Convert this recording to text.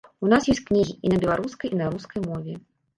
У нас ёсць кнігі і на беларускай, і на рускай мове.